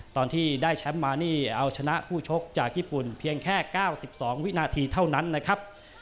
ตอนที่ได้แชมป์มานี่เอาชนะคู่ชกจากญี่ปุ่นเพียงแค่๙๒วินาทีเท่านั้นนะครับ